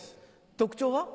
特徴は？